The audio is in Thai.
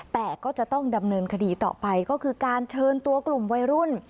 แต่ก็จะต้องดำเนินคดีต่อไปก็คือการเชิญตัวกลุ่มวัยรุ่น